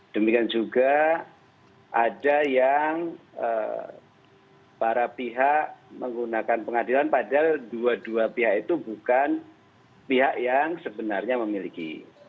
demikian juga ada yang para pihak menggunakan pengadilan padahal dua dua pihak itu bukan pihak yang sebenarnya memiliki